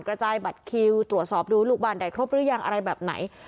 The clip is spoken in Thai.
กระจายบัตรคิวตรวจสอบดูลูกบ้านได้ครบหรือยังอะไรแบบไหน